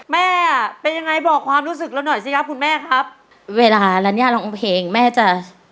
แม่เป็นยังไงบอกความรู้สึกเราหน่อยสิครับคุณแม่ครับเวลาแล้วเนี่ยร้องเพลงแม่จะ